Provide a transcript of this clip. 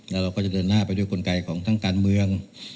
แล้วเราก็จะเดินหน้าไปด้วยกลไกของทั้งการเมือง